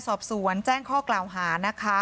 เป็นพี่เป็นน้องกันโตมาด้วยกันตั้งแต่แล้ว